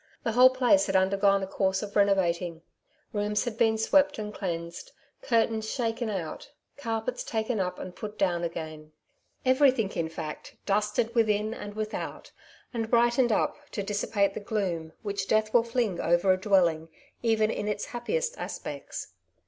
The whole place had undergone a course of renovating; rooms had been swept and cleansed, curtains shaken out, carpets taken up and put down again; everything, in fact, dusted within and without, and brightened up to dissipate the. gloom The Delanys^ Side of the Question, 165 which death will fling over a dwelling even in its happiest aspects.